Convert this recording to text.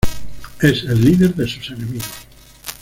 Es el líder de sus enemigos.